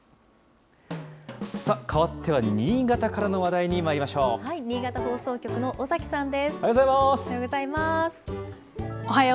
さあ、変わっては新潟からの話題にまいりましょう。